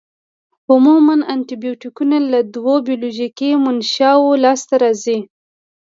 عموماً انټي بیوټیکونه له دوو بیولوژیکي منشأوو لاس ته راځي.